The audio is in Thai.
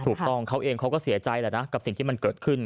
ถูกต้องเขาเองเขาก็เสียใจแหละนะกับสิ่งที่มันเกิดขึ้น